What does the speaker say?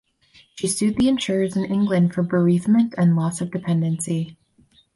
She sued the insurers in England for bereavement and loss of dependency.